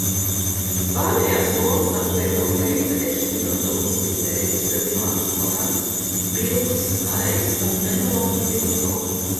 Pārējās lomas atveido Keita Ešfīlda, Lūsija Deivisa, Dilans Morans, Bills Naijs un Penelope Viltone.